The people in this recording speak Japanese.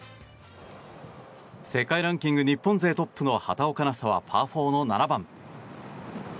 世界ランキング日本勢トップの畑岡奈紗はパー４の７番。